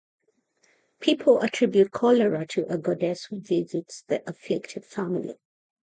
People attribute cholera to a goddess who visits the afflicted family.